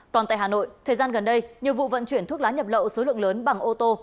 còn tại hà nội thời gian gần đây nhiều vụ vận chuyển thuốc lá nhập lậu số lượng lớn bằng ô tô